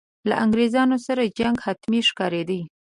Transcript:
له انګرېزانو سره جنګ حتمي ښکارېدی.